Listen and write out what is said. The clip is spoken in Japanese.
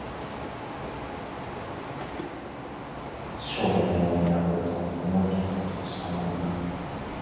証文を破るとは思い切ったことをしたものだ。